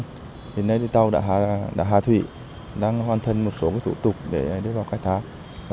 hiện nay tàu đã hạ thủy đang hoàn thân một số thủ tục để đưa vào cái tháp